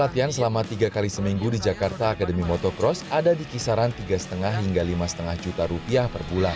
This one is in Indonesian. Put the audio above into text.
latihan selama tiga kali seminggu di jakarta akademi motocross ada di kisaran tiga lima hingga lima lima juta rupiah per bulan